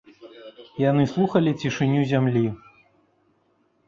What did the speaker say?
Яны слухалі цішыню зямлі.